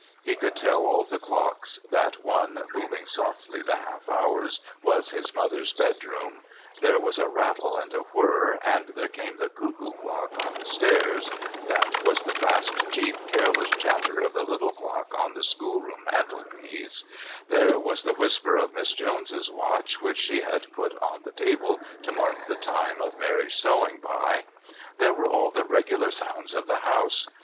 He could tell all the clocks, that one booming softly the half hours was in his mother's bedroom, there was a rattle and a whirr and there came the cuckoo clock on the stairs, there was the fast, cheap careless chatter of the little clock on the schoolroom mantelpiece, there was the whisper of Miss Jones's watch which she had put out on the table to mark the time of Mary's sewing by. There were all the regular sounds of the house.